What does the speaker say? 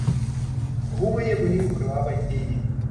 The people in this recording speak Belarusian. Губы яе былі ў крывавай пене.